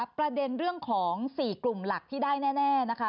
ประเด็นเรื่องของ๔กลุ่มหลักที่ได้แน่นะคะ